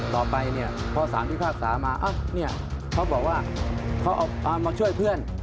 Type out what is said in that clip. ต่อไปเนี่ยพอสารพิพากษามาเนี่ยเขาบอกว่าเขาเอามาช่วยเพื่อน